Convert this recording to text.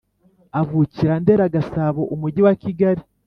avukira Ndera Gasabo Umujyiwa Kigali